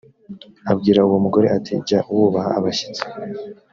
abwira uwo mugore ati jya wubaha abashyitsi